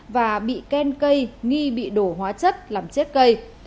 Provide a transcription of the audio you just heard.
và bị khen cây nghi bị đổ hóa chất làm chết cây